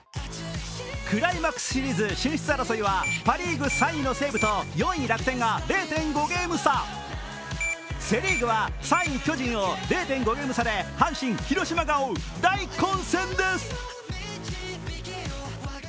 クライマックスシリーズ進出争いはパ・リーグ３位の西武と４位の楽天が０．５ゲーム差、セ・リーグは３位・巨人を０．５ゲーム差で阪神、広島が追う大混戦です。